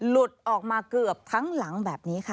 หลุดออกมาเกือบทั้งหลังแบบนี้ค่ะ